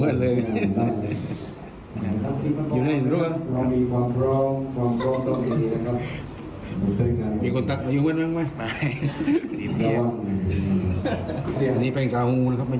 อันนี้เสียแป้งกาวงูนะครับไม่ใช่เสียแป้งกาวงูนะครับ